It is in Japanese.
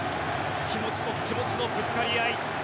気持ちと気持ちのぶつかり合い。